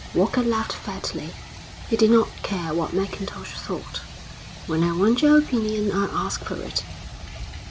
Walker laughed fatly. He did not care what Mackintosh thought. "When I want your opinion I'll ask for it."